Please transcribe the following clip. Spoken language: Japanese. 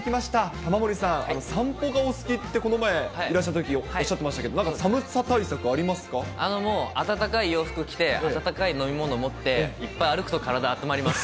玉森さん、散歩がお好きってこの前、いらしたときおっしゃってましたけど、もう、暖かい洋服着て、温かい飲み物持っていっぱい歩くと体、温まります。